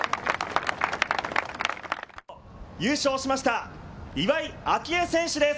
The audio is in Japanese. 優勝しました、岩井明愛選手です。